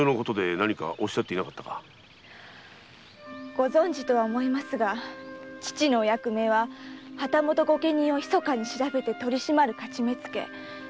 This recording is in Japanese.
ご存じと思いますが父のお役目は旗本御家人をひそかに調べて取り締まる徒目付。